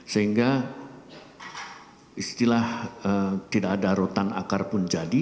sehingga istilah tidak ada rotan akar pun jadi